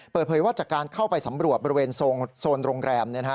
เปิดเผยว่าจากการเข้าไปสำรวจบริเวณโซนโรงแรม